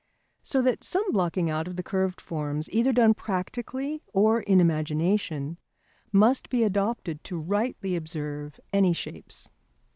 So that some blocking out of the curved forms, either done practically or in imagination, must be adopted to rightly observe any shapes.